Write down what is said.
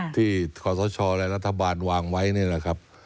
ที่ความสะชอบและรัฐบาลวางไว้นี่นะครับ